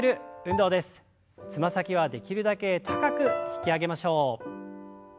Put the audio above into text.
つま先はできるだけ高く引き上げましょう。